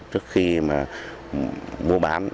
trước khi mua bán